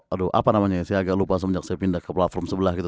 aduh apa namanya ya saya agak lupa semenjak saya pindah ke platform sebelah gitu